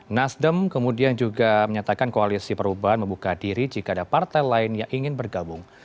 nasdem kemudian juga menyatakan koalisi perubahan membuka diri jika ada partai lain yang ingin bergabung